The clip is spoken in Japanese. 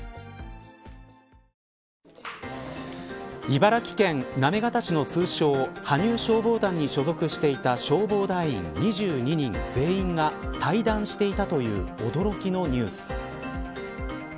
茨城県行方市の通称、羽生消防団に所属していた消防団員２２人全員が退団していたという驚きのニュース。